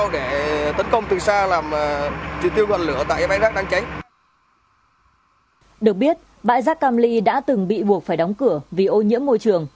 được biết bãi rác cam ly đã từng bị buộc phải đóng cửa vì ô nhiễm môi trường